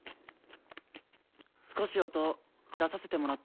少し音出させてもらっていいですか？